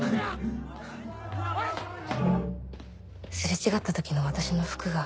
擦れ違った時の私の服が。